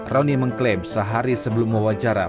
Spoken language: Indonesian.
roni mengklaim sehari sebelum wawancara